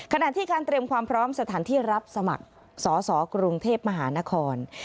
ขณะที่การเตรียมความพร้อมสถานที่รับสมัครสอสอกรุงเทพมหานคร